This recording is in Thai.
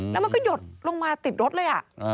แล้วมันก็หยดลงมาติดรถเลย